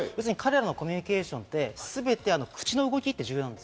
彼らのコミュニケーションって全て口の動きって重要。